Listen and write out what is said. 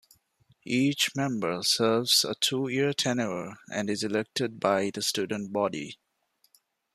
Each member serves a two-year tenure and is elected by the student body.